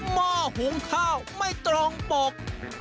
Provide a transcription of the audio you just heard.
หม้อหุงข้าวไม่ตรงปก